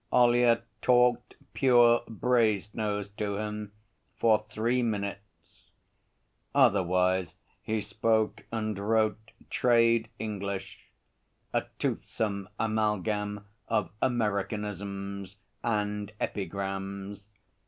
Ollyett talked pure Brasenose to him for three minutes. Otherwise he spoke and wrote trade English a toothsome amalgam of Americanisms and epigrams.